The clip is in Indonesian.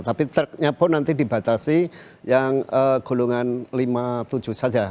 tapi truknya pun nanti dibatasi yang golongan lima puluh tujuh saja